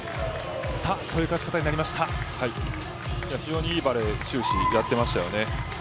非常にいいバレーを終始やっていましたよね。